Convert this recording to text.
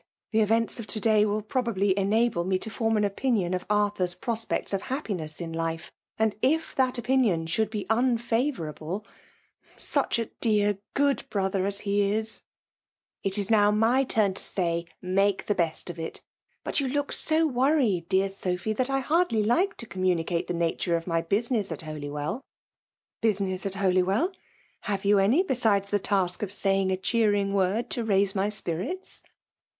The events of to*daj i^ probably enable me to form an opinion of Arthur's prospects of happiness in life ; fltad, if that opinion should be unfavourable !— saeh a dear good brother as he is !''*' It is now my turn to say, make the be«t •of it. But you look so worried, deiar Sophy, that I hardly like to communicate the nature of my business at Holywell." « Business at Holywell! Have you any, besides the task of saying a cheering word to raise my spirits